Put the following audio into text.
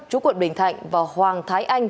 chú quận bình thạnh và hoàng thái anh